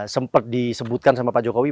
sempat disebutkan sama pak jokowi